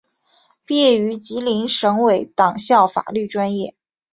毕业于吉林省委党校法律专业。